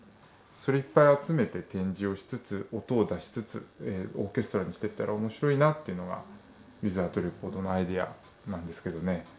それいっぱい集めて展示をしつつ音を出しつつオーケストラにしていったら面白いなっていうのが「ｗｉｔｈｏｕｔｒｅｃｏｒｄｓ」のアイデアなんですけどね。